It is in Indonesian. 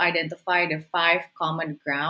mengetahui lima tempat yang sama